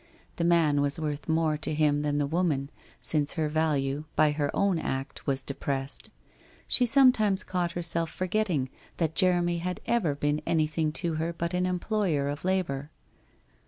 The man was worth more to him than the woman since her value, by her own act, was depressed. She sometimes caught herself forgetting that Jeremy had ever been any thing to her but an employer of labour.